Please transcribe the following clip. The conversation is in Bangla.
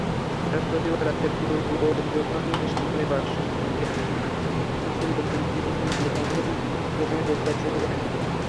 বৃহস্পতিবার রাতে পূর্ব জোহানেসবার্গে বিক্ষুব্ধ লোকজন বিদেশিদের মালিকানাধীন দোকানে লুটপাট শুরু করেন।